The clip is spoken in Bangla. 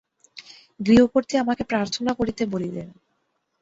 গৃহকর্ত্রী আমাকে প্রার্থনা করিতে বলিলেন।